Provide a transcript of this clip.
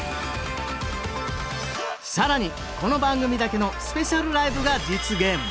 更にこの番組だけのスペシャルライブが実現！